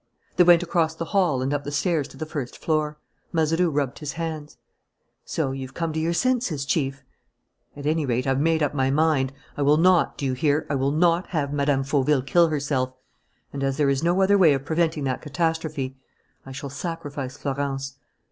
They went across the hall and up the stairs to the first floor. Mazeroux rubbed his hands. "So you've come to your senses, Chief?" "At any rate I've made up my mind. I will not, do you hear, I will not have Mme. Fauville kill herself; and, as there is no other way of preventing that catastrophe, I shall sacrifice Florence."